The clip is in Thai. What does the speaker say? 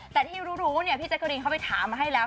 แต่ที่รู้พี่เจ๊กรีนเข้าไปถามมาให้แล้ว